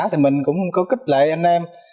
thì mình cũng có kích lệ anh em